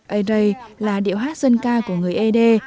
ây là điệu hát dân ca của người ế đê